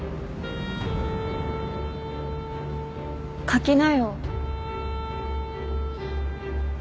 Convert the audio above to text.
書きなよ。